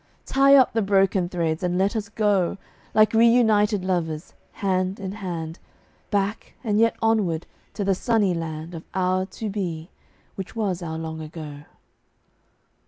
Tie up the broken threads and let us go, Like reunited lovers, hand in hand, Back, and yet onward, to the sunny land Of our To Be, which was our Long Ago.